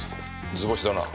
図星だな。